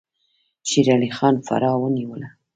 شیر علي خان فراه ونیوله.